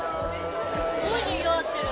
すごいにぎわってる。